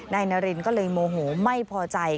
นายนารินก็เลยโมโหไม่พอใจ